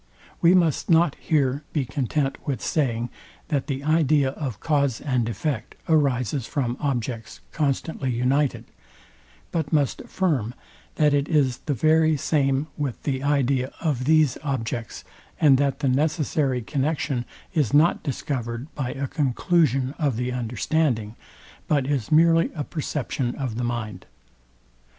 We must not here be content with saying, that the idea of cause and effect arises from objects constantly united; but must affirm, that it is the very same with the idea of those objects, and that the necessary connexion is not discovered by a conclusion of the understanding, but is merely a perception of the mind.